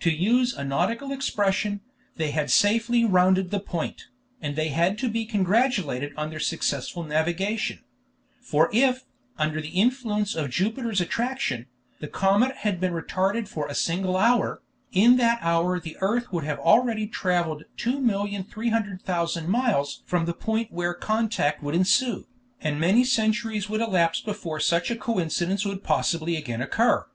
To use a nautical expression, they had safely "rounded the point," and they had to be congratulated on their successful navigation; for if, under the influence of Jupiter's attraction, the comet had been retarded for a single hour, in that hour the earth would have already traveled 2,300,000 miles from the point where contact would ensue, and many centuries would elapse before such a coincidence would possibly again occur.